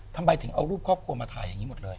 ทำไมถึงเอารูปครอบครัวมาถ่ายอย่างนี้หมดเลย